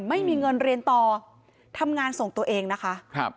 ไม่มีเงินเรียนต่อทำงานส่งตัวเองนะคะครับ